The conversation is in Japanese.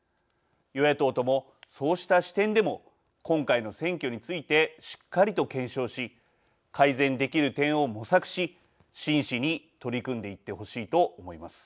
与野党ともそうした視点でも今回の選挙についてしっかりと検証し改善できる点を模索し真摯に取り組んでいってほしいと思います。